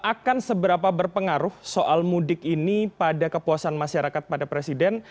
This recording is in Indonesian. akan seberapa berpengaruh soal mudik ini pada kepuasan masyarakat pada presiden